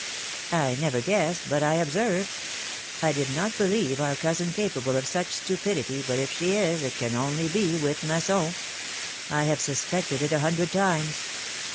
I never guess, but I observe. I did not believe our cousin capable of such stupidity, but if she is, it can only be with Masson. I have suspected it a hundred times.